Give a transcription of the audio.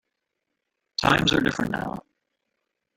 Times are different now.